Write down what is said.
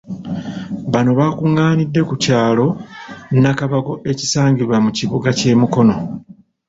Bano bakungaanidde ku kyalo Nakabago ekisangibwa mu kibuga ky'e Mukono.